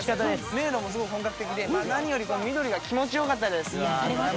迷路も本格的で何より緑が気持ちよかったです。